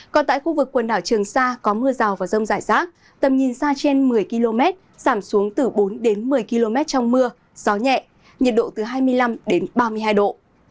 còn tại khu vực quần đảo trường sa có mưa rào và rông rải rác tầm nhìn xa trên một mươi km giảm xuống từ bốn đến một mươi km trong mưa gió nhẹ nhiệt độ từ hai mươi năm ba mươi hai độ